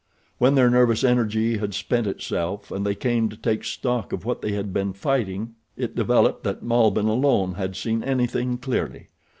When their nervous energy had spent itself and they came to take stock of what they had been fighting it developed that Malbihn alone had seen anything clearly.